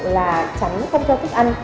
là trắng không cho thức ăn